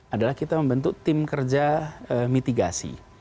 adalah kita membentuk tim kerja mitigasi